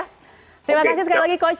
terima kasih sekali lagi coach